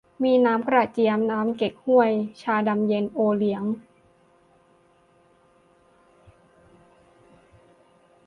มีน้ำกระเจี๊ยบ น้ำเก๊กฮวย ชาดำเย็น โอเลี้ยง